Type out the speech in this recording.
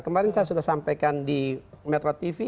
kemarin saya sudah sampaikan di metro tv